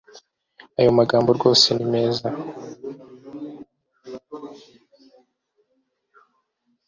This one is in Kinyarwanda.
ayo magambo rwose nimeza